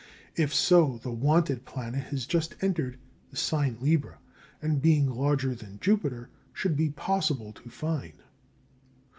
If so, the "wanted" planet has just entered the sign Libra, and, being larger than Jupiter, should be possible to find.